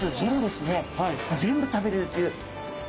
全部食べれるっていう。